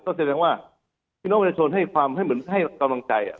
ก็แสดงว่าพี่น้องประชาชนให้ความให้เหมือนให้กำลังใจ